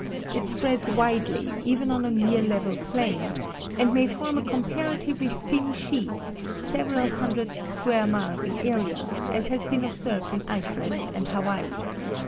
It spreads widely, even on a nearly level plain, and may form a comparatively thin sheet several hundred square miles in area, as has been observed in Iceland and Hawaii.